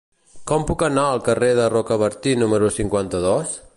Com puc anar al carrer de Rocabertí número cinquanta-dos?